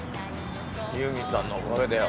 ユーミンさんのおかげだよ。